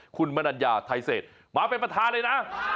คุณมนัญญาไทยเศษมาเป็นประธานเลยนะ